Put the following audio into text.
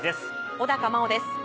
小茉緒です。